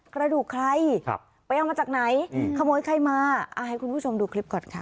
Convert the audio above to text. กระดูกใครไปเอามาจากไหนขโมยใครมาให้คุณผู้ชมดูคลิปก่อนค่ะ